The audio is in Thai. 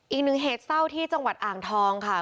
อีกหนึ่งเหตุเศร้าที่จังหวัดอ่างทองค่ะ